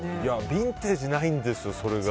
ビンテージないんですよ